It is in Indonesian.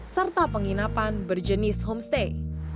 serta penginapan berjenis homestay